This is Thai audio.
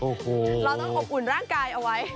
โอ้โหเราต้องอบอุ่นร่างกายเอาไว้